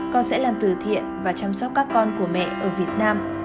con sẽ làm từ thiện và chăm sóc các con của mẹ ở việt nam